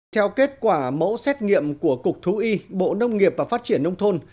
theo kết quả mẫu xét nghiệm của cục thú y bộ nông nghiệp và phát triển nông thôn